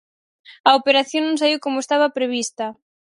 A operación non saíu como estaba prevista.